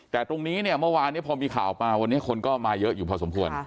แต่ตรงนี้เนี่ยเมื่อวานพอมีข่าวมาวันนี้คนก็มาเยอะอยู่พอสมควร